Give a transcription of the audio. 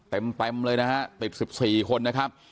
เต็มเลยนะฮะติด๑๔คนนะครับ